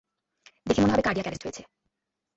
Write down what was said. দেখে মনে হবে কার্ডিয়াক এ্যারেস্ট হয়েছে।